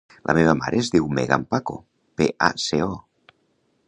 La meva mare es diu Megan Paco: pe, a, ce, o.